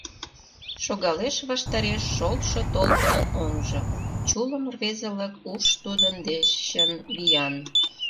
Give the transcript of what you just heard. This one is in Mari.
Шогалеш ваштареш шолшо толкынын оҥжо — Чулым рвезылык уш тудын дечын виян.